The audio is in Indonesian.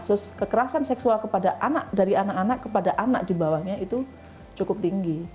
kasus kekerasan seksual kepada anak dari anak anak kepada anak di bawahnya itu cukup tinggi